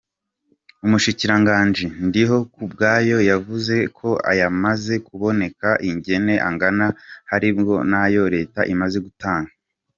Umushikiranganji Ndihokubwayo, yavuze ayamaze kuboneka ingene angana harimwo n'ayo leta imaze gutanga.